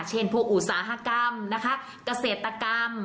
เช่นผู้อุตสาหกรรมนะคะกเศรษฐกรรม